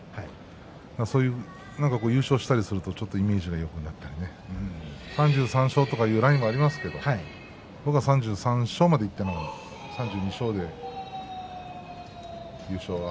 そういう優勝したりするとちょっとイメージがよくなってね３３勝というラインがありますけれど僕は３３勝までいかず３２勝でした。